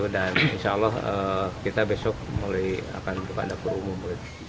dan insya allah kita besok mulai akan buka dapur umum